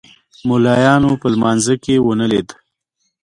ملایانو په لمانځه کې ونه لید.